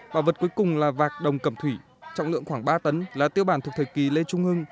bảo vật cuối cùng là vạc đồng cầm thủy trọng lượng khoảng ba tấn là tiêu bản thuộc thời kỳ lê trung hưng